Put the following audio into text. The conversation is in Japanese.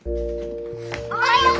おはよう！